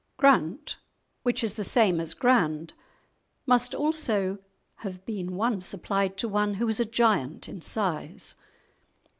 "Grant," which is the same as "grand," must also have been once applied to one who was a giant in size.